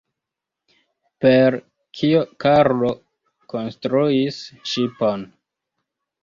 Per kio Karlo konstruis ŝipon?